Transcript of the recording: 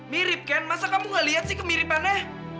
mirip ken masa kamu gak liat sih kemiripannya